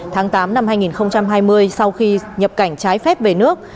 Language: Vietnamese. tháng tám năm hai nghìn hai mươi sau khi nhập cảnh trái phép về nước